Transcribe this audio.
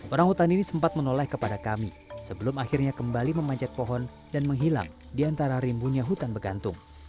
orang hutan ini sempat menoleh kepada kami sebelum akhirnya kembali memanjat pohon dan menghilang di antara rimbunya hutan begantung